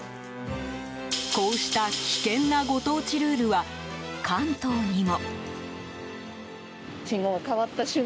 こうした危険なご当地ルールは関東にも。